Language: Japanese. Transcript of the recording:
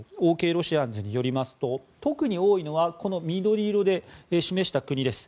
ロシアンズによりますと特に多いのはこの緑色で示した国です。